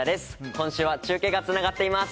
今週は中継がつながっています。